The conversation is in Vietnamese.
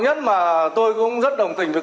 nhất mà tôi cũng rất đồng tình với